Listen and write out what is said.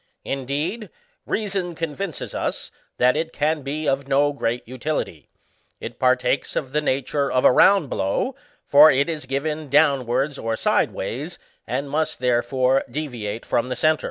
Indeed, reason convinces us, that it can be of no great utility ; it partakes of the nature of a round blow, for it is given downwards or sideways, and must, therefore, deviate from the centre.